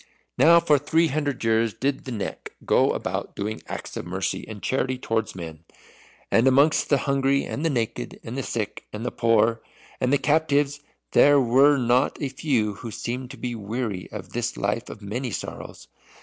Now for three hundred years did the Neck go about doing acts of mercy and charity towards men. And amongst the hungry, and the naked, and the sick, and the poor, and the captives, there were not a few who seemed to be weary of this life of many sorrows.